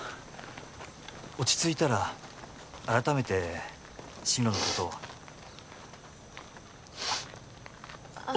落ち着いたら改めて進路のことをあ